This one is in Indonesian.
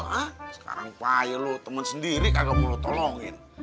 sekarang payah lo temen sendiri kagak mau lo tolongin